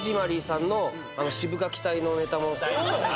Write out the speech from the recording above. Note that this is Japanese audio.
さんのシブがき隊のネタも好きで。